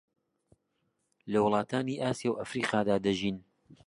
لە وڵاتانی ئاسیا و ئەفریقادا دەژین